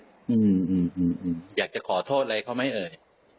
อืมอยากจะขอโทษอะไรเขาไหมเอ่ย